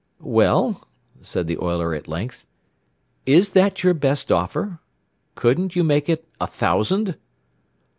"Well," said the oiler at length, "is that your best offer? Couldn't you make it a thousand?"